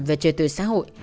và trời tự xã hội